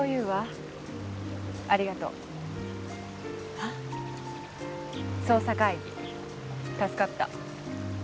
ありがとう。は？捜査会議助かった。